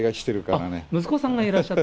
ああ、息子さんがいらっしゃる。